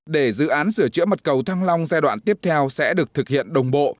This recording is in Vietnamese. để dự án sửa chữa mặt cầu thăng long giai đoạn tiếp theo sẽ được thực hiện đồng bộ